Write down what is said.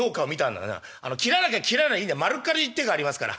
切らなきゃ切らないでいいんだ丸っかじりっていう手がありますから。